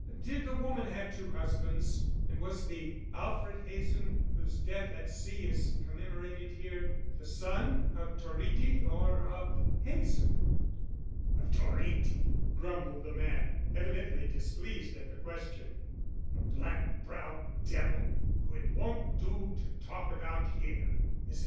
"Did the woman have two husbands, and was the Alfred Hazen, whose death at sea is commemorated here, the son of Toritti or of Hazen?" "Of Toritti," grumbled the man, evidently displeased at the question. "A black browed devil who it won't do to talk about here. Mrs.